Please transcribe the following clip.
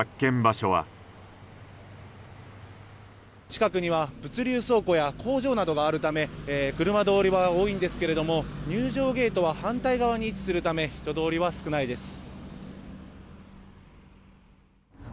近くには物流倉庫や工場などがあるため車通りは多いんですけれども入場ゲートは反対側に位置するため人通りは少ないです。